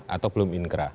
atau belum inkrah